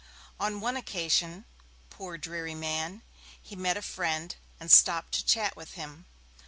On one occasion, poor dreary man, he met a friend and stopped to chat with him.